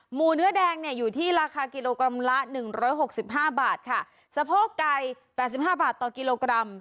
หมูเนื้อแดงเนี่ยอยู่ที่ราคากิโลกรัมละ๑๖๕บาทค่ะสะโพกไก่๘๕บาทต่อกิโลกรัม